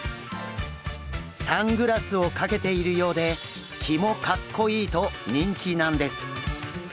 サングラスをかけているようでキモカッコイイと人気なんです。